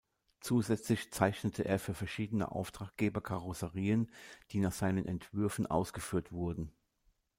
Zusätzlich zeichnete er für verschiedene Auftraggeber Karosserien, die nach seinen Entwürfen ausgeführt wurden.